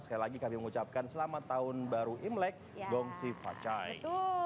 sekali lagi kami mengucapkan selamat tahun baru imlek gongsi facai